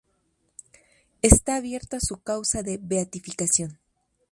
Está abierta su causa de beatificación.